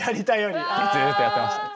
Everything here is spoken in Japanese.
ずっとやってましたね。